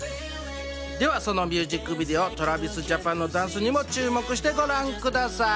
ではそのミュージックビデオ、ＴｒａｖｉｓＪａｐａｎのダンスにも注目してご覧ください。